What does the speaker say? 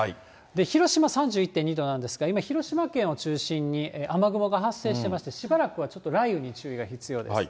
広島３１．２度なんですが、今、広島県を中心に、雨雲が発生してまして、しばらくはちょっと雷雨に注意が必要です。